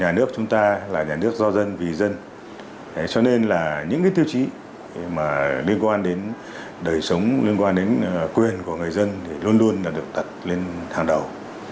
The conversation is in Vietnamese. nhà nước chúng ta là nhà nước do dân vì dân cho nên là những tiêu chí liên quan đến đời sống liên quan đến quyền của người dân thì luôn luôn là được đặt lên hàng đầu